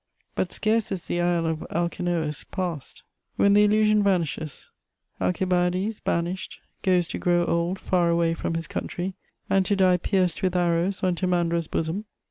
But, scarce is the isle of Alcinous passed, when the illusion vanishes: Alcibiades, banished, goes to grow old far away from his country and to die pierced with arrows on Timandra's bosom.